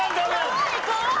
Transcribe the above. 怖い怖い！